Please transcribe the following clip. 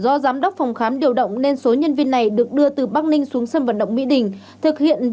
giám đốc phòng khám điều động nên số nhân viên này được đưa từ bắc ninh xuống sân vận động mỹ đình